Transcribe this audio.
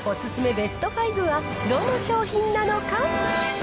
ベスト５はどの商品なのか。